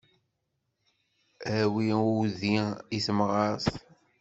Awi udi i tamɣart.